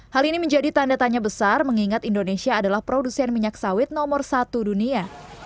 hal ini menjadi tanda tanya besar mengingat indonesia adalah produsen minyak sawit nomor satu dunia